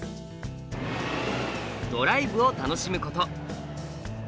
ドライブを楽しむこと。